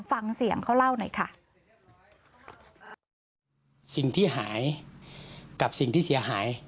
ฟังเสียงเขาเล่าหน่อยค่ะสิ่งที่หายกับสิ่งที่เสียหาย